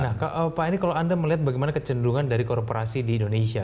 nah pak eri kalau anda melihat bagaimana kecenderungan dari korporasi di indonesia